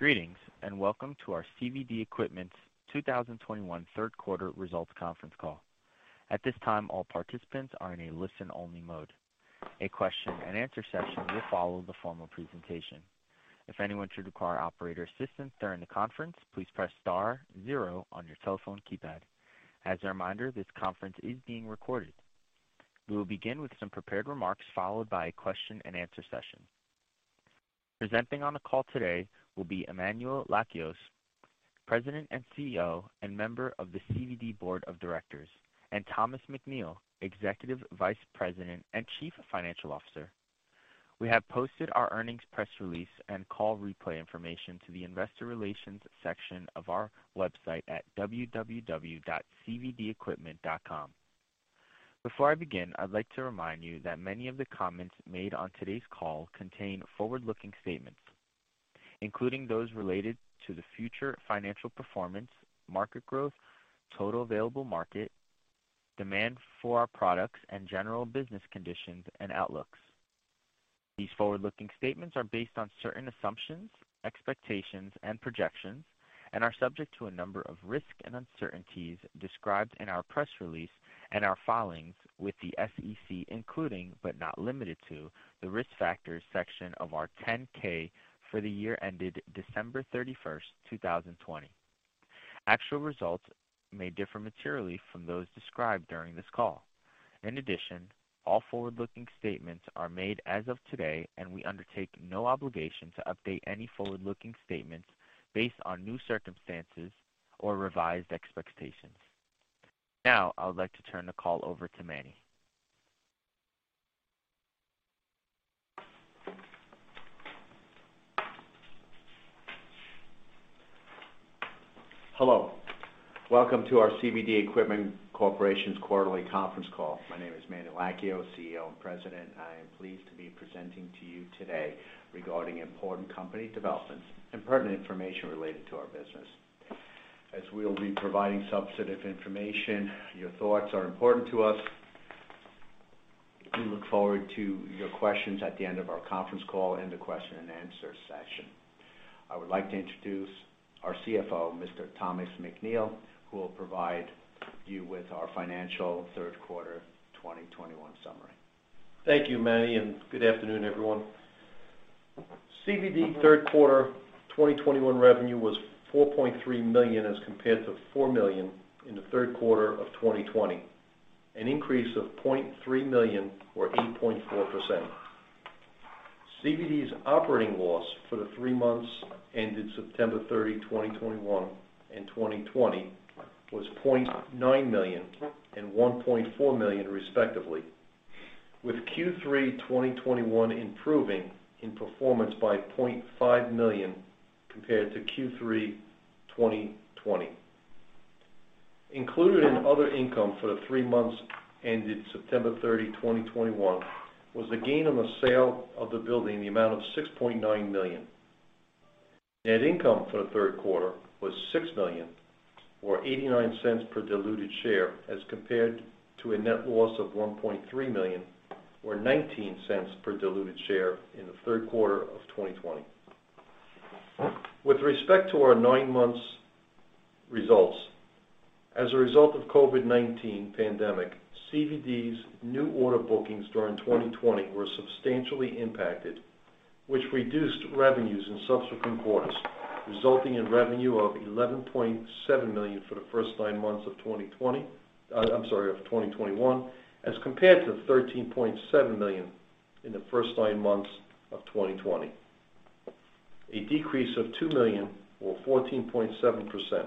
Greetings, and welcome to our CVD Equipment's 2021 third quarter results conference call. At this time, all participants are in a listen-only mode. A Q&A session will follow the formal presentation. If anyone should require operator assistance during the conference, please press star 0 on your telephone keypad. As a reminder, this conference is being recorded. We will begin with some prepared remarks, followed by a Q&A session. Presenting on the call today will be Emmanuel Lakios, President and CEO, and member of the CVD Board of Directors, and Thomas McNeill, Executive Vice President and Chief Financial Officer. We have posted our earnings press release and call replay information to the investor relations section of our website at www.cvdequipment.com. Before I begin, I'd like to remind you that many of the comments made on today's call contain forward-looking statements, including those related to the future financial performance, market growth, total available market, demand for our products, and general business conditions and outlooks. These forward-looking statements are based on certain assumptions, expectations, and projections, and are subject to a number of risks and uncertainties described in our press release and our filings with the SEC, including, but not limited to, the Risk Factors section of our 10-K for the year ended December 31st, 2020. Actual results may differ materially from those described during this call. In addition, all forward-looking statements are made as of today, and we undertake no obligation to update any forward-looking statements based on new circumstances or revised expectations. Now, I would like to turn the call over to Manny. Hello. Welcome to our CVD Equipment Corporation's quarterly conference call. My name is Manny Lakios, CEO and President, and I am pleased to be presenting to you today regarding important company developments and pertinent information related to our business. As we will be providing substantive information, your thoughts are important to us. We look forward to your questions at the end of our conference call in the Q&A session. I would like to introduce our CFO, Mr. Thomas McNeill, who will provide you with our financial third quarter 2021 summary. Thank you, Manny, and good afternoon, everyone. CVD Q3 2021 revenue was $4.3 million as compared to $4 million in the third quarter of 2020, an increase of $0.3 million or 8.4%. CVD's operating loss for the three months ended September 30, 2021 and 2020 was $0.9 million and $1.4 million respectively, with Q3 2021 improving in performance by $0.5 million compared to Q3 2020. Included in other income for the three months ended September 30, 2021 was the gain on the sale of the building in the amount of $6.9 million. Net income for the third quarter was $6 million or $0.89 per diluted share as compared to a net loss of $1.3 million or $0.19 per diluted share in the third quarter of 2020. With respect to our nine months results, as a result of COVID-19 pandemic, CVD's new order bookings during 2020 were substantially impacted, which reduced revenues in subsequent quarters, resulting in revenue of $11.7 million for the first nine months of 2020. I'm sorry, of 2021, as compared to $13.7 million in the first nine months of 2020. A decrease of $2 million or 14.7%.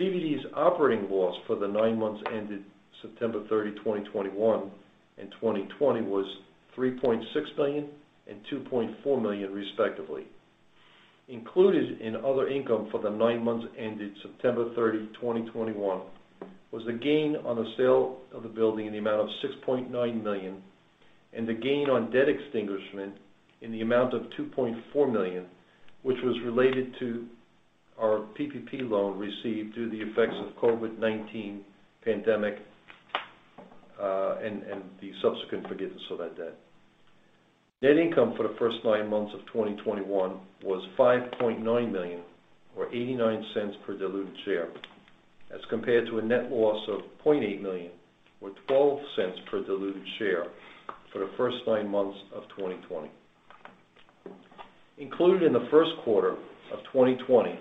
CVD's operating loss for the nine months ended September 30, 2021 and 2020 was $3.6 million and $2.4 million respectively. Included in other income for the nine months ended September 30, 2021 was the gain on the sale of the building in the amount of $6.9 million and the gain on debt extinguishment in the amount of $2.4 million, which was related to our PPP loan received due to the effects of COVID-19 pandemic, and the subsequent forgiveness of that debt. Net income for the first nine months of 2021 was $5.9 million or $0.89 per diluted share as compared to a net loss of $0.8 million or $0.12 per diluted share for the first nine months of 2020. Included in the first quarter of 2020,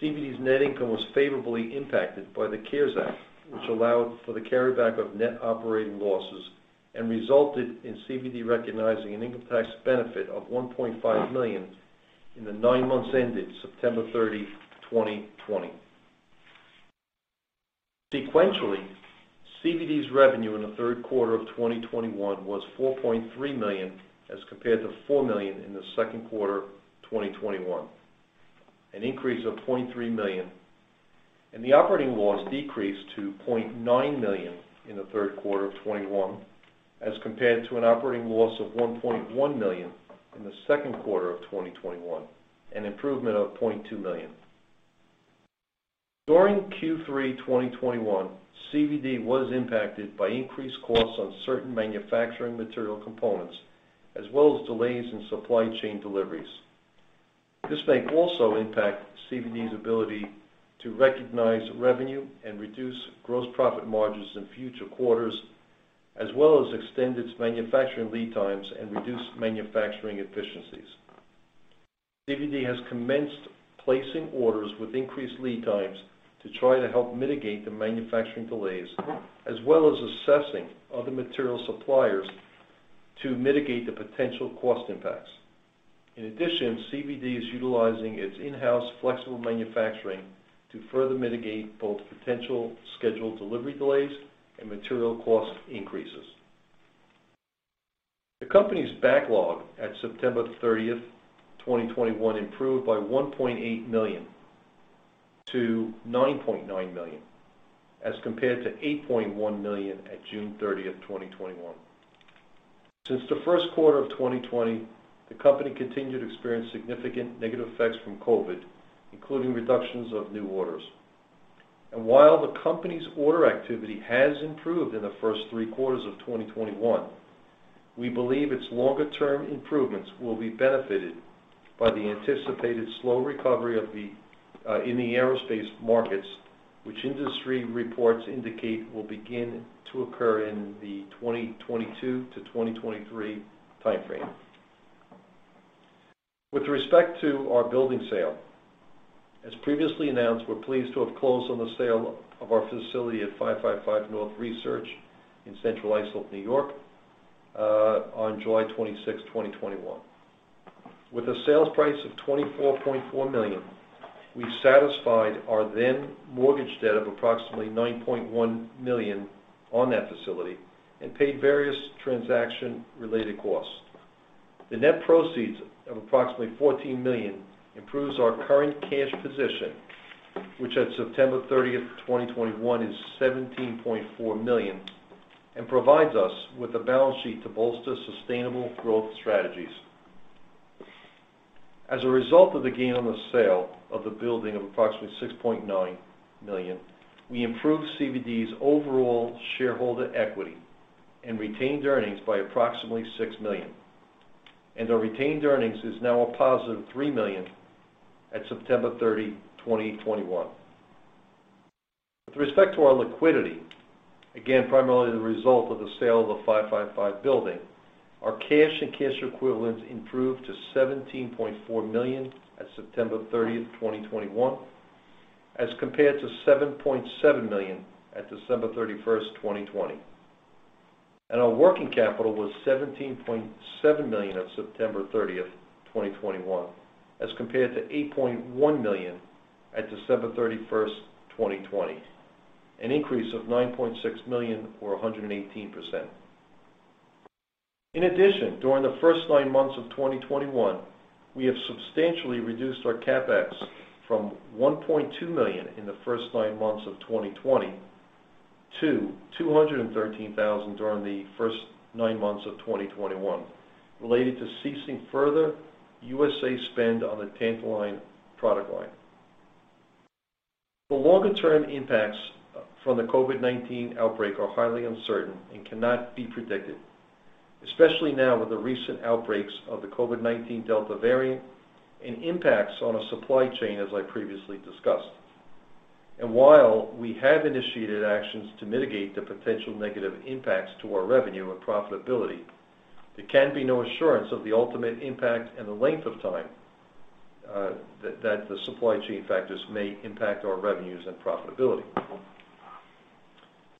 CVD's net income was favorably impacted by the CARES Act, which allowed for the carryback of net operating losses and resulted in CVD recognizing an income tax benefit of $1.5 million in the nine months ended September 30, 2020. Sequentially, CVD's revenue in the third quarter of 2021 was $4.3 million as compared to $4 million in the second quarter of 2021. An increase of $0.3 million. The operating loss decreased to $0.9 million in the third quarter of 2021, as compared to an operating loss of $1.1 million in the second quarter of 2021, an improvement of $0.2 million. During Q3 2021, CVD was impacted by increased costs on certain manufacturing material components, as well as delays in supply chain deliveries. This may also impact CVD's ability to recognize revenue and reduce gross profit margins in future quarters, as well as extend its manufacturing lead times and reduce manufacturing efficiencies. CVD has commenced placing orders with increased lead times to try to help mitigate the manufacturing delays, as well as assessing other material suppliers to mitigate the potential cost impacts. In addition, CVD is utilizing its in-house flexible manufacturing to further mitigate both potential scheduled delivery delays and material cost increases. The company's backlog at September 30th, 2021 improved by $1.8 million to $9.9 million, as compared to $8.1 million at June 30th, 2021. Since the first quarter of 2020, the company continued to experience significant negative effects from COVID, including reductions of new orders. While the company's order activity has improved in the first three quarters of 2021, we believe its longer-term improvements will be benefited by the anticipated slow recovery of the aerospace markets, which industry reports indicate will begin to occur in the 2022 to 2023 timeframe. With respect to our building sale, as previously announced, we're pleased to have closed on the sale of our facility at 555 North Research in Central Islip, New York, on July 26, 2021. With a sales price of $24.4 million, we satisfied our then mortgage debt of approximately $9.1 million on that facility and paid various transaction-related costs. The net proceeds of approximately $14 million improves our current cash position, which at September 30, 2021 is $17.4 million, and provides us with a balance sheet to bolster sustainable growth strategies. As a result of the gain on the sale of the building of approximately $6.9 million, we improved CVD's overall shareholder equity and retained earnings by approximately $6 million. Our retained earnings is now a positive $3 million at September 30, 2021. With respect to our liquidity, again, primarily the result of the sale of the 555 building, our cash and cash equivalents improved to $17.4 million at September 30, 2021, as compared to $7.7 million at December 31st, 2020. Our working capital was $17.7 million at September 30th, 2021, as compared to $8.1 million at December 31st, 2020, an increase of $9.6 million or 118%. In addition, during the first nine months of 2021, we have substantially reduced our CapEx from $1.2 million in the first nine months of 2020 to $213,000 during the first nine months of 2021, related to ceasing further R&D spend on the tantalum product line. The longer-term impacts from the COVID-19 outbreak are highly uncertain and cannot be predicted, especially now with the recent outbreaks of the COVID-19 Delta variant and impacts on our supply chain, as I previously discussed. While we have initiated actions to mitigate the potential negative impacts to our revenue and profitability, there can be no assurance of the ultimate impact and the length of time that the supply chain factors may impact our revenues and profitability.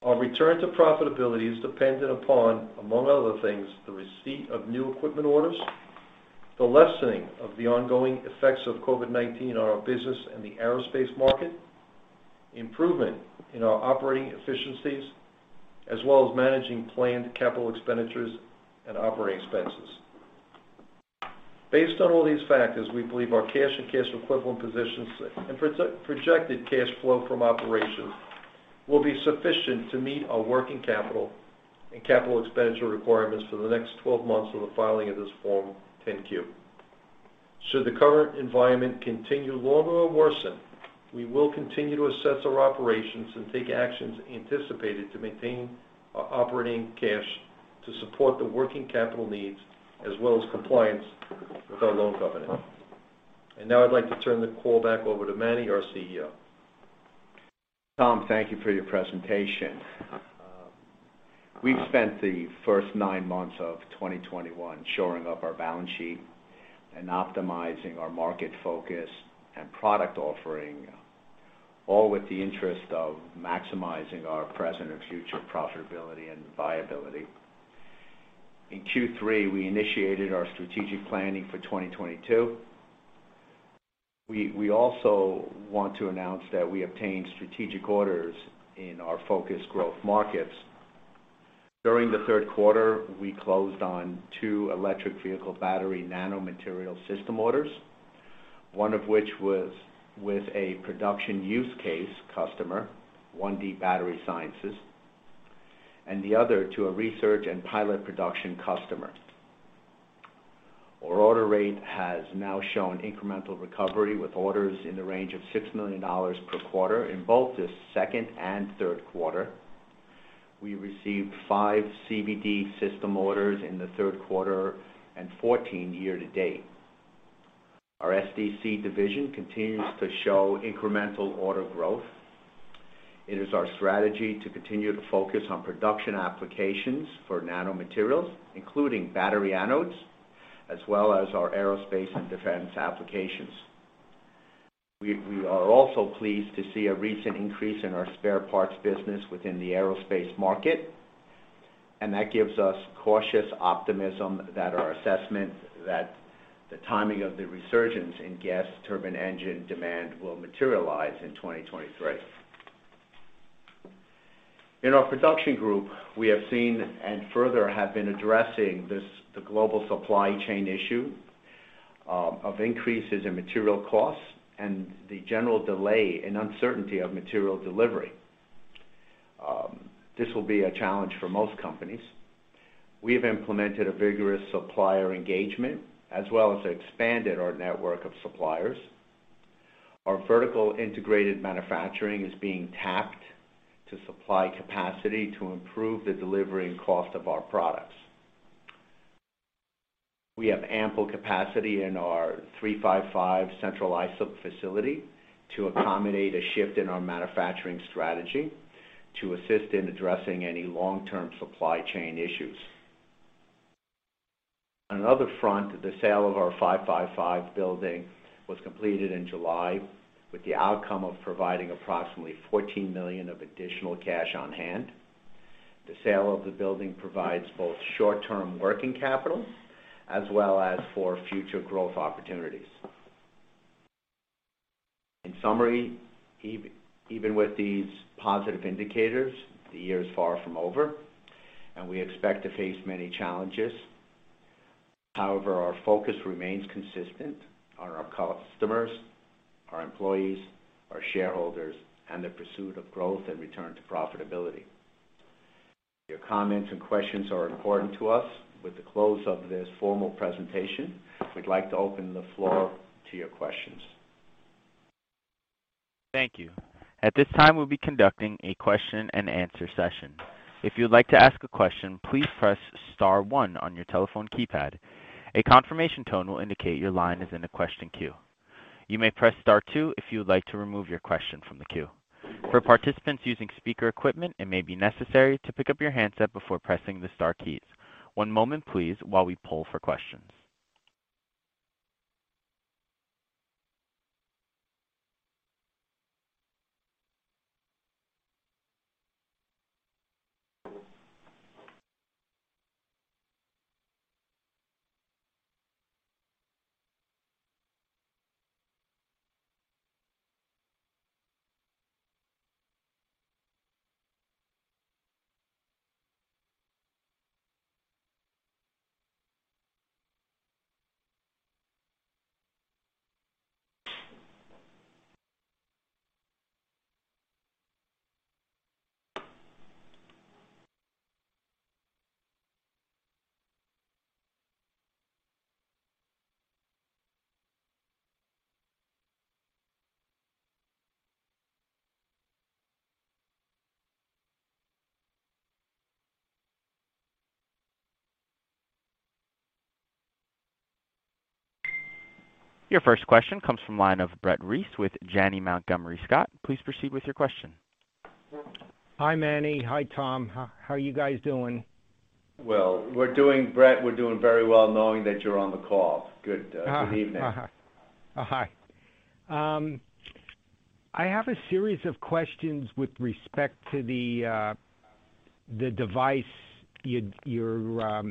Our return to profitability is dependent upon, among other things, the receipt of new equipment orders, the lessening of the ongoing effects of COVID-19 on our business and the aerospace market, improvement in our operating efficiencies, as well as managing planned capital expenditures and operating expenses. Based on all these factors, we believe our cash and cash equivalent positions and pro-projected cash flow from operations will be sufficient to meet our working capital and capital expenditure requirements for the next 12 months of the filing of this Form 10-Q. Should the current environment continue longer or worsen, we will continue to assess our operations and take actions anticipated to maintain our operating cash to support the working capital needs, as well as compliance with our loan covenants. Now I'd like to turn the call back over to Manny, our CEO. Tom, thank you for your presentation. We've spent the first nine months of 2021 shoring up our balance sheet and optimizing our market focus and product offering, all with the interest of maximizing our present and future profitability and viability. In Q3, we initiated our strategic planning for 2022. We also want to announce that we obtained strategic orders in our focus growth markets. During the third quarter, we closed on two electric vehicle battery nanomaterial system orders, one of which was with a production use case customer, OneD Battery Sciences, and the other to a research and pilot production customer. Our order rate has now shown incremental recovery, with orders in the range of $6 million per quarter in both the second and third quarter. We received five CVD system orders in the third quarter and 14 year-to-date. Our SDC division continues to show incremental order growth. It is our strategy to continue to focus on production applications for nanomaterials, including battery anodes, as well as our aerospace and defense applications. We are also pleased to see a recent increase in our spare parts business within the aerospace market, and that gives us cautious optimism that our assessment that the timing of the resurgence in gas turbine engine demand will materialize in 2023. In our production group, we have seen and further have been addressing this, the global supply chain issue, of increases in material costs and the general delay and uncertainty of material delivery. This will be a challenge for most companies. We have implemented a vigorous supplier engagement as well as expanded our network of suppliers. Our vertically integrated manufacturing is being tapped to supply capacity to improve the delivery and cost of our products. We have ample capacity in our 355 Central Islip facility to accommodate a shift in our manufacturing strategy to assist in addressing any long-term supply chain issues. On another front, the sale of our 555 building was completed in July with the outcome of providing approximately $14 million of additional cash on hand. The sale of the building provides both short-term working capital as well as for future growth opportunities. In summary, even with these positive indicators, the year is far from over and we expect to face many challenges. However, our focus remains consistent on our customers, our employees, our shareholders, and the pursuit of growth and return to profitability. Your comments and questions are important to us. With the close of this formal presentation, we'd like to open the floor to your questions. Thank you. At this time, we'll be conducting a Q&A session. If you'd like to ask a question, please press star one on your telephone keypad. A confirmation tone will indicate your line is in the question queue. You may press star two if you would like to remove your question from the queue. For participants using speaker equipment, it may be necessary to pick up your handset before pressing the star keys. One moment, please, while we pull for questions. Your first question comes from the line of Brett Reiss with Janney Montgomery Scott. Please proceed with your question. Hi, Manny. Hi, Tom. How are you guys doing? Well, Brett Reiss, we're doing very well knowing that you're on the call. Good evening. Hi. I have a series of questions with respect to the device you're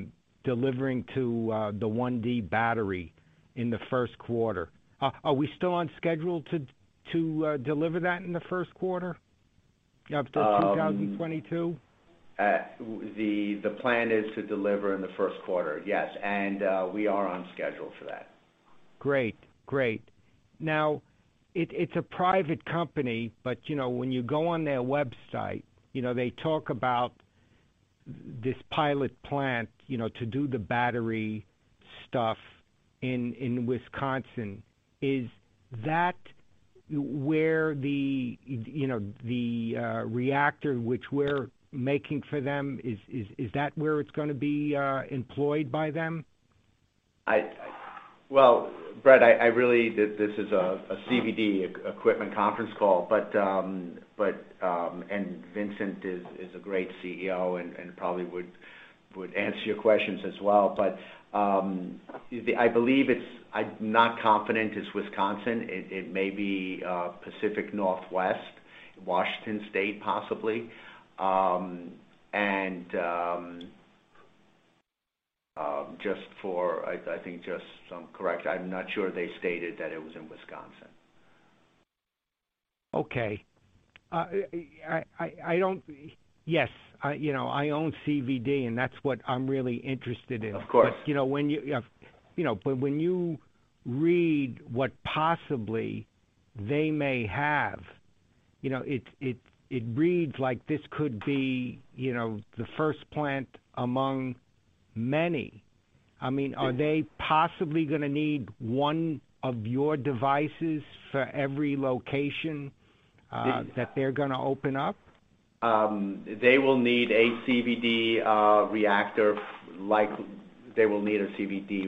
delivering to the OneD Battery Sciences in the first quarter. Are we still on schedule to deliver that in the first quarter of 2022? The plan is to deliver in the first quarter, yes. We are on schedule for that. Great. Now, it's a private company, but you know, when you go on their website, you know, they talk about this pilot plant, you know, to do the battery stuff in Wisconsin. Is that where the, you know, the reactor which we're making for them, is that where it's gonna be employed by them? Well, Brett, this is a CVD Equipment conference call, but Vincent is a great CEO and probably would answer your questions as well. I believe it's, I'm not confident it's Wisconsin. It may be Pacific Northwest, Washington State, possibly. I think just so I'm correct, I'm not sure they stated that it was in Wisconsin. Okay. Yes, you know, I own CVD, and that's what I'm really interested in. Of course. You know, it reads like this could be, you know, the first plant among many. I mean, are they possibly going to need one of your devices for every location that they're going to open up? They will need a CVD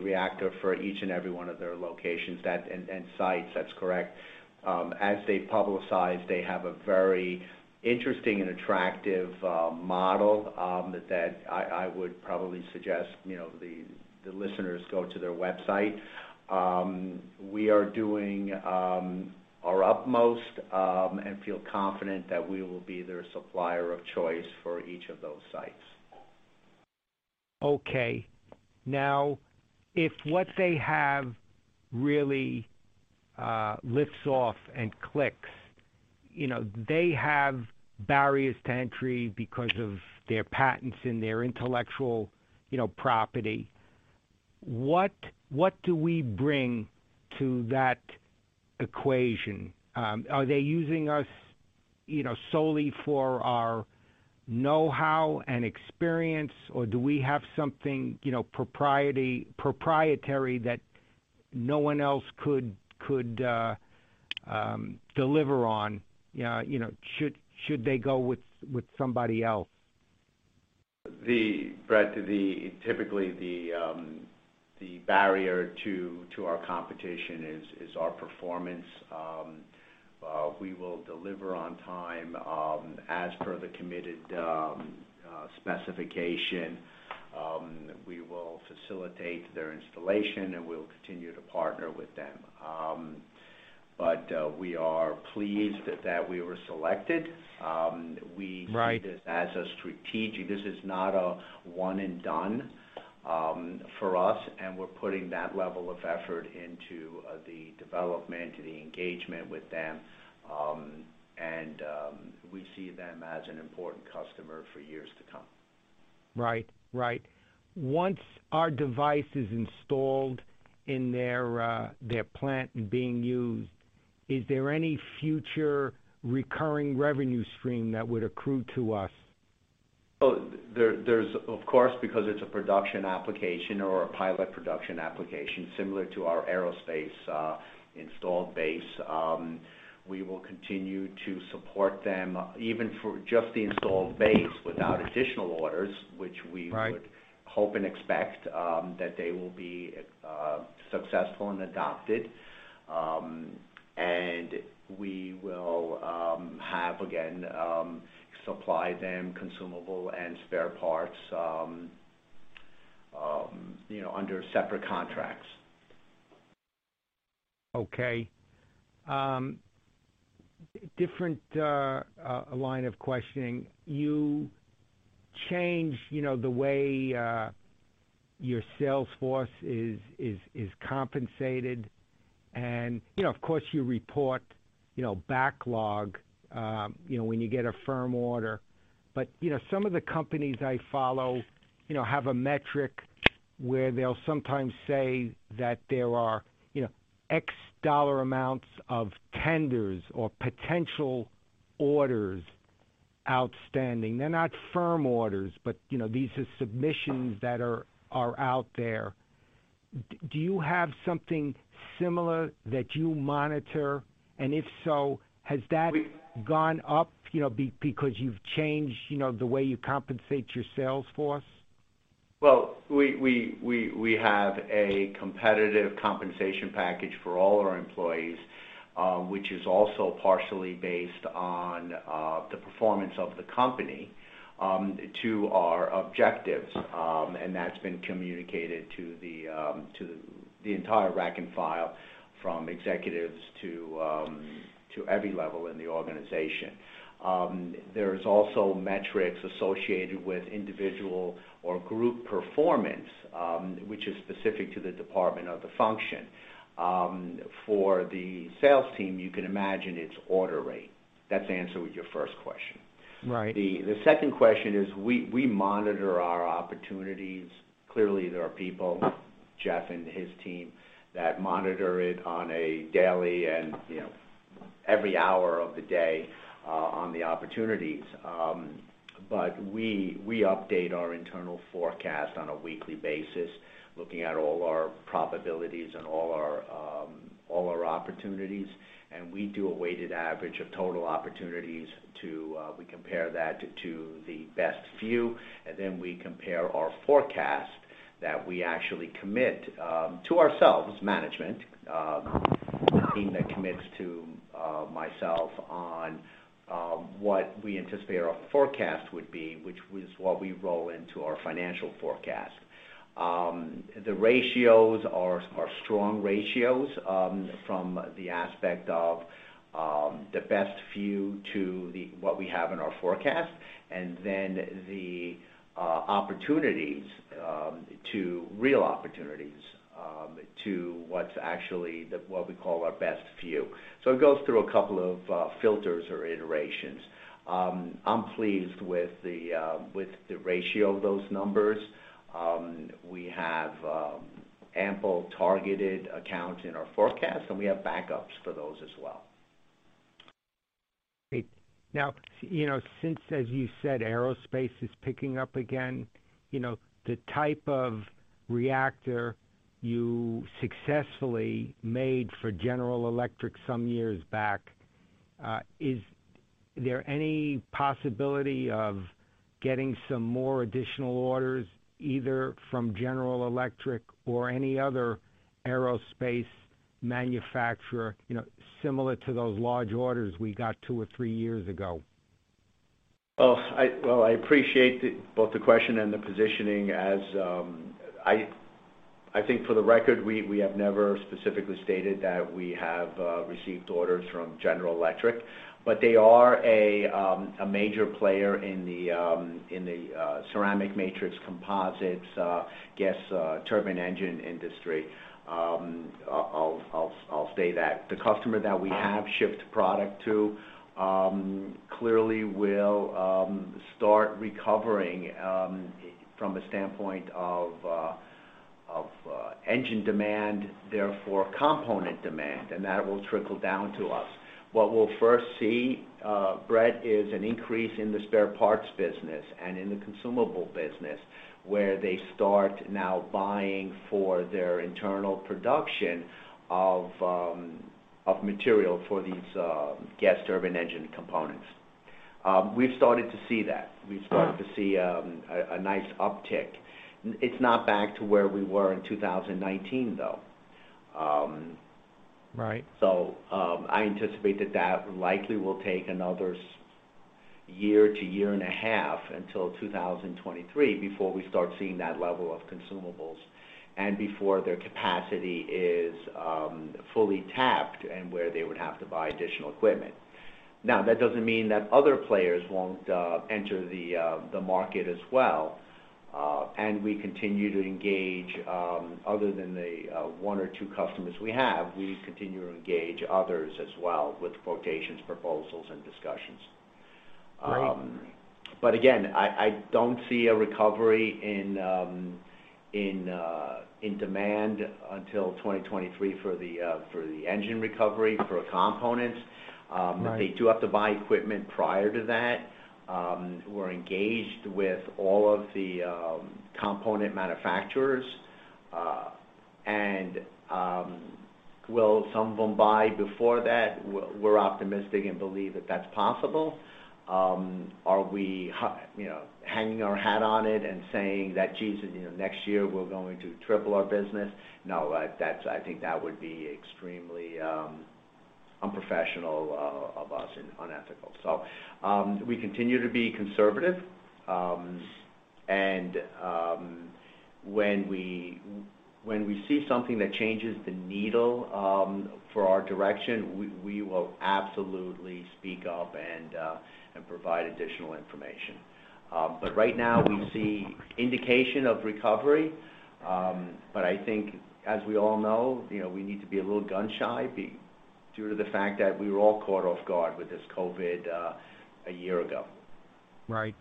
reactor for each and every one of their locations and sites. That's correct. As they publicize, they have a very interesting and attractive model that I would probably suggest, you know, the listeners go to their website. We are doing our utmost and feel confident that we will be their supplier of choice for each of those sites. Okay. Now, if what they have really lifts off and clicks, you know, they have barriers to entry because of their patents and their intellectual, you know, property. What do we bring to that equation? Are they using us, you know, solely for our knowhow and experience? Or do we have something, you know, proprietary that no one else could deliver on, you know, should they go with somebody else? Brett, typically, the barrier to our competition is our performance. We will deliver on time, as per the committed specification. We will facilitate their installation, and we'll continue to partner with them. We are pleased that we were selected. Right. We see this as a strategic. This is not a one and done for us, and we're putting that level of effort into the development, the engagement with them. We see them as an important customer for years to come. Right. Once our device is installed in their plant and being used, is there any future recurring revenue stream that would accrue to us? There's, of course, because it's a production application or a pilot production application similar to our aerospace installed base. We will continue to support them even for just the installed base without additional orders, which we- Right. I would hope and expect that they will be successful and adopted. We will again supply them consumable and spare parts, you know, under separate contracts. Okay. Different line of questioning. You change, you know, the way your sales force is compensated. You know, of course, you report, you know, backlog, you know, when you get a firm order. You know, some of the companies I follow, you know, have a metric where they'll sometimes say that there are, you know, X dollar amounts of tenders or potential orders outstanding. They're not firm orders, but, you know, these are submissions that are out there. Do you have something similar that you monitor? And if so, has that gone up, you know, because you've changed, you know, the way you compensate your sales force? Well, we have a competitive compensation package for all our employees, which is also partially based on the performance of the company to our objectives. That's been communicated to the entire rank and file, from executives to every level in the organization. There's also metrics associated with individual or group performance, which is specific to the department of the function. For the sales team, you can imagine it's order rate. That's the answer with your first question. Right. The second question is we monitor our opportunities. Clearly, there are people, Jeff and his team, that monitor it on a daily and, you know, every hour of the day, on the opportunities. But we update our internal forecast on a weekly basis, looking at all our probabilities and all our opportunities. We do a weighted average of total opportunities to we compare that to the best few, and then we compare our forecast that we actually commit to ourselves, management, the team that commits to myself on what we anticipate our forecast would be, which is what we roll into our financial forecast. The ratios are strong ratios from the aspect of the best few to what we have in our forecast, and then the opportunities to real opportunities to what's actually what we call our best few. It goes through a couple of filters or iterations. I'm pleased with the ratio of those numbers. We have ample targeted accounts in our forecast, and we have backups for those as well. Great. Now, you know, since, as you said, aerospace is picking up again, you know, the type of reactor you successfully made for General Electric some years back, is there any possibility of getting some more additional orders, either from General Electric or any other aerospace manufacturer, you know, similar to those large orders we got two or three years ago? Well, I appreciate both the question and the positioning as I think for the record, we have never specifically stated that we have received orders from General Electric, but they are a major player in the ceramic matrix composites gas turbine engine industry. I'll say that the customer that we have shipped product to clearly will start recovering from a standpoint of engine demand, therefore component demand, and that will trickle down to us. What we'll first see, Brett, is an increase in the spare parts business and in the consumable business, where they start now buying for their internal production of material for these gas turbine engine components. We've started to see that. We've started to see a nice uptick. It's not back to where we were in 2019, though. Right. I anticipate that likely will take another year-to-year and a half until 2023 before we start seeing that level of consumables and before their capacity is fully tapped and where they would have to buy additional equipment. Now, that doesn't mean that other players won't enter the market as well. We continue to engage other than the one or two customers we have. We continue to engage others as well with quotations, proposals, and discussions. Great. Again, I don't see a recovery in demand until 2023 for the engine recovery for components. Right. They do have to buy equipment prior to that. We're engaged with all of the component manufacturers. Will some of them buy before that? We're optimistic and believe that that's possible. Are we you know, hanging our hat on it and saying that, "Geez, you know, next year we're going to triple our business"? No. That's. I think that would be extremely unprofessional of us and unethical. We continue to be conservative. When we see something that changes the needle for our direction, we will absolutely speak up and provide additional information. Right now we see indication of recovery. I think as we all know, you know, we need to be a little gun-shy due to the fact that we were all caught off guard with this COVID a year ago. Right.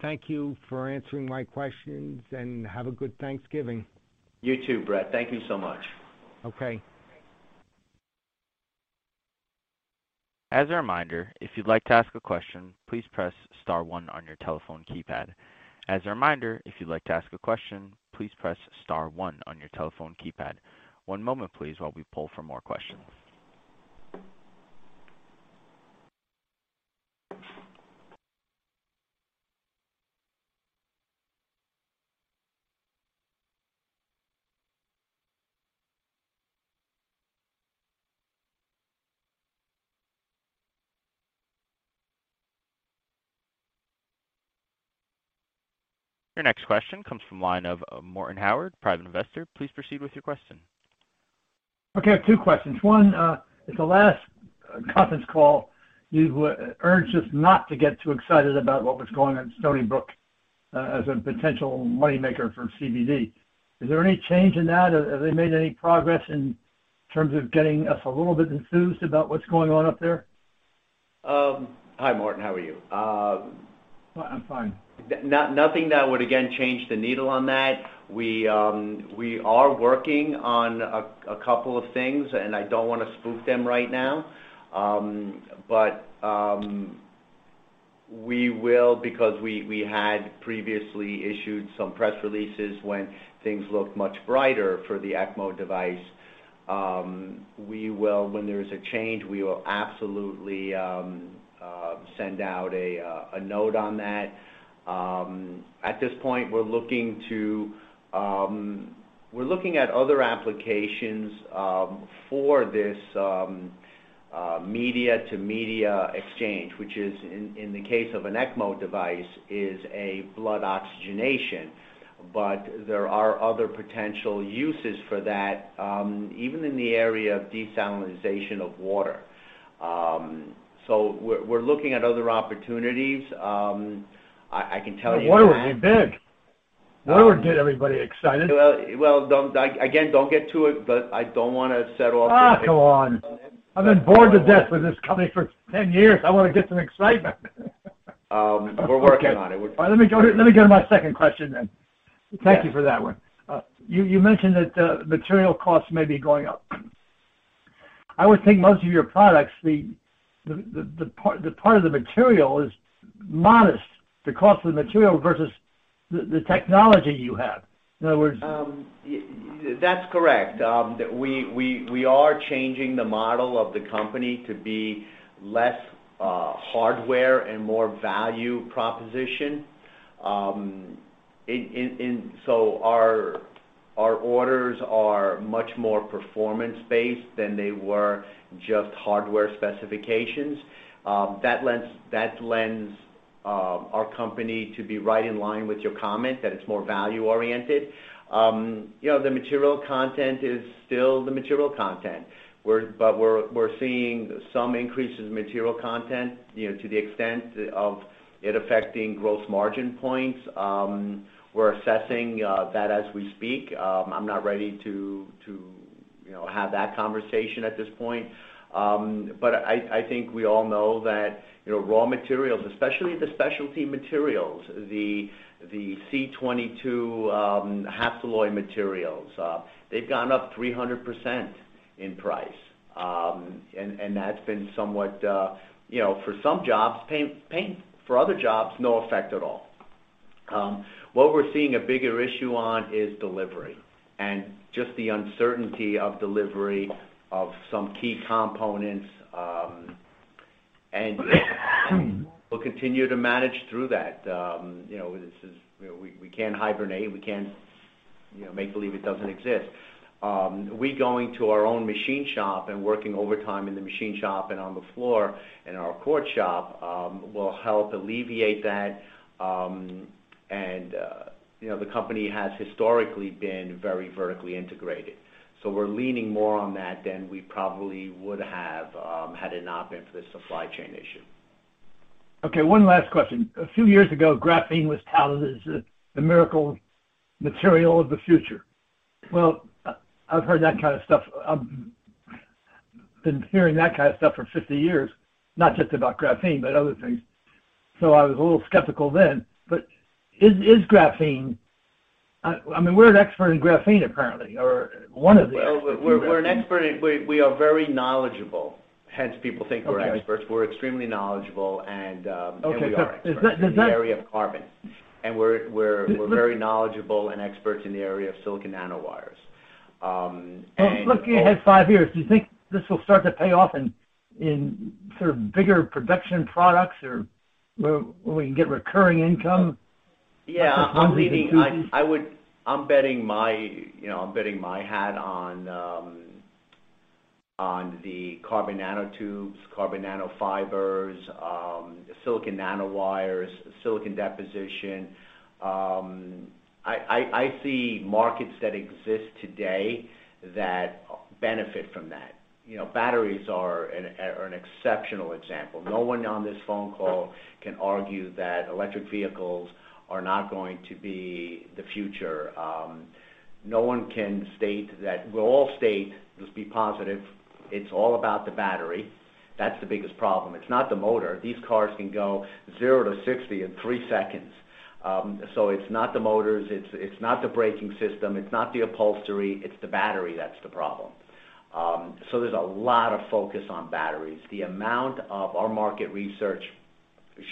Thank you for answering my questions, and have a good Thanksgiving. You too, Brett. Thank you so much. Okay. As a reminder, if you'd like to ask a question, please press star one on your telephone keypad. One moment, please, while we pull for more questions. Your next question comes from the line of Morton Howard, Private Investor. Please proceed with your question. Okay, I have two questions. One, at the last conference call, you urged us not to get too excited about what was going on at Stony Brook, as a potential moneymaker for CVD. Is there any change in that? Have they made any progress in terms of getting us a little bit enthused about what's going on up there? Hi, Morton. How are you? I'm fine. Nothing that would, again, move the needle on that. We are working on a couple of things, and I don't wanna spook them right now. Because we had previously issued some press releases when things looked much brighter for the ECMO device, we will. When there is a change, we will absolutely send out a note on that. At this point, we're looking at other applications for this media-to-media exchange, which is, in the case of an ECMO device, a blood oxygenation. There are other potential uses for that, even in the area of desalination of water. We're looking at other opportunities. I can tell you that. Water would be big. Water would get everybody excited. Well, I don't wanna set off. Come on. I've been bored to death with this company for 10 years. I wanna get some excitement. We're working on it. Let me go to my second question then. Yeah. Thank you for that one. You mentioned that the material costs may be going up. I would think most of your products, the part of the material is modest, the cost of the material versus the technology you have. In other words. That's correct. We are changing the model of the company to be less hardware and more value proposition. Our orders are much more performance-based than they were just hardware specifications. That lends our company to be right in line with your comment that it's more value-oriented. You know, the material content is still the material content. We're seeing some increases in material content, you know, to the extent of it affecting gross margin points. We're assessing that as we speak. I'm not ready to you know, have that conversation at this point. I think we all know that, you know, raw materials, especially the specialty materials, the C-22, Hastelloy materials, they've gone up 300% in price. That's been somewhat, you know, for some jobs, pain, for other jobs, no effect at all. What we're seeing a bigger issue on is delivery and just the uncertainty of delivery of some key components. We'll continue to manage through that. You know, we can't hibernate. We can't, you know, make believe it doesn't exist. We going to our own machine shop and working overtime in the machine shop and on the floor in our core shop will help alleviate that. You know, the company has historically been very vertically integrated. We're leaning more on that than we probably would have had it not been for the supply chain issue. Okay, one last question. A few years ago, graphene was touted as the miracle material of the future. Well, I've heard that kind of stuff. I've been hearing that kind of stuff for 50 years, not just about graphene, but other things. I was a little skeptical then. Is graphene? I mean, we're an expert in graphene, apparently, or one of the experts in graphene. Well, we are very knowledgeable. Hence, people think we're experts. Okay. We're extremely knowledgeable and. Okay. We are experts. Is that? in the area of carbon. We're very knowledgeable and experts in the area of silicon nanowires. Well, looking ahead five years, do you think this will start to pay off in sort of bigger production products or where we can get recurring income? I'm hanging my hat, you know, on the carbon nanotubes, carbon nanofibers, silicon nanowires, silicon deposition. I see markets that exist today that benefit from that. You know, batteries are an exceptional example. No one on this phone call can argue that electric vehicles are not going to be the future. No one can state that. We'll all state, just be positive, it's all about the battery. That's the biggest problem. It's not the motor. These cars can go 0-60 in three seconds. It's not the motors, it's not the braking system, it's not the upholstery, it's the battery that's the problem. There's a lot of focus on batteries. The amount of our market research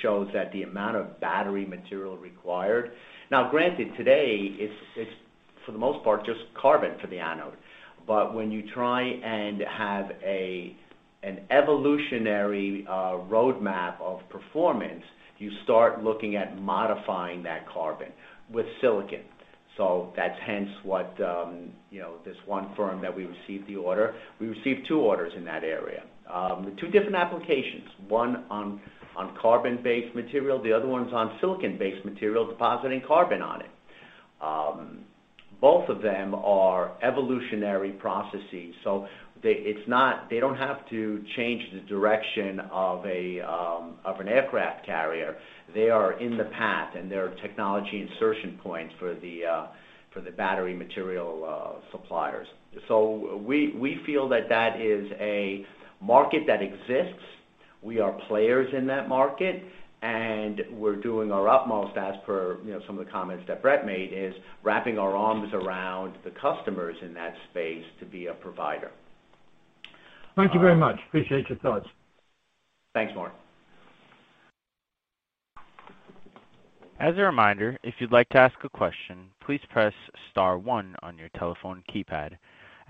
shows that the amount of battery material required. Now, granted today, it's for the most part just carbon for the anode. When you try and have an evolutionary roadmap of performance, you start looking at modifying that carbon with silicon. That's hence what you know this one firm that we received the order. We received two orders in that area. Two different applications, one on carbon-based material, the other one's on silicon-based material depositing carbon on it. Both of them are evolutionary processes, so they don't have to change the direction of an aircraft carrier. They are in the path, and they are technology insertion points for the battery material suppliers. We feel that that is a market that exists. We are players in that market, and we're doing our utmost as per, you know, some of the comments that Brett made, is wrapping our arms around the customers in that space to be a provider. Thank you very much. I appreciate your thoughts. Thanks, Morton.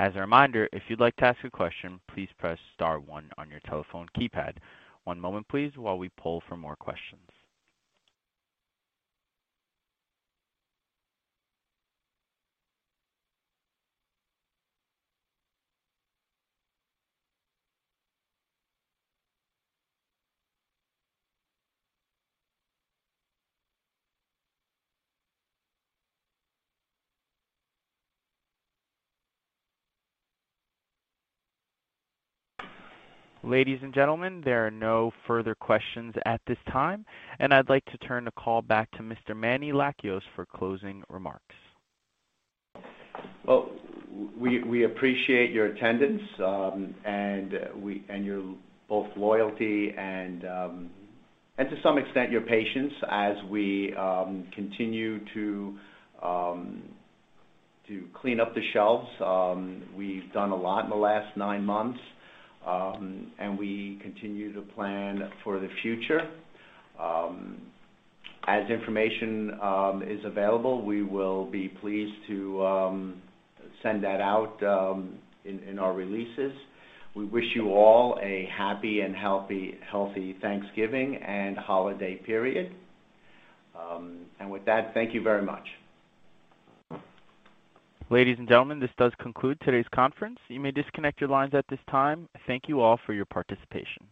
As a reminder, if you'd like to ask a question, please press star one on your telephone keypad. One moment, please, while we poll for more questions. Ladies and gentlemen, there are no further questions at this time, and I'd like to turn the call back to Mr. Manny Lakios for closing remarks. Well, we appreciate your attendance, and your both loyalty and, to some extent, your patience as we continue to clean up the shelves. We've done a lot in the last nine months, and we continue to plan for the future. As information is available, we will be pleased to send that out in our releases. We wish you all a happy and healthy Thanksgiving and holiday period. With that, thank you very much. Ladies and gentlemen, this does conclude today's conference. You may disconnect your lines at this time. Thank you all for your participation.